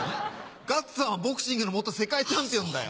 ガッツさんはボクシングの世界チャンピオンだよ。